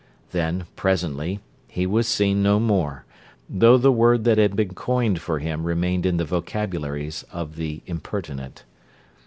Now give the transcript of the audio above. Then, presently, he was seen no more, though the word that had been coined for him remained in the vocabularies of the impertinent.